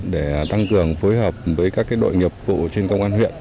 để tăng cường phối hợp với các đội nghiệp vụ trên công an huyện